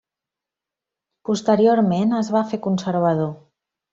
Posteriorment es va fer conservador.